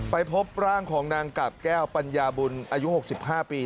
ไปพบร่างของนางกาบแก้วปัญญาบุญอายุ๖๕ปี